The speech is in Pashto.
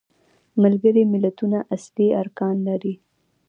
ملګري ملتونه اصلي ارکان لري.